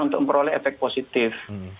untuk memperoleh efek positif